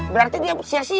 berarti dia sia sia